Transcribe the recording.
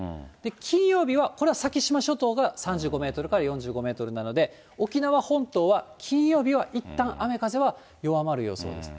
金曜日は、これは先島諸島が３５メートルから４５メートルなので、沖縄本島は、金曜日はいったん雨風は弱まる予想です。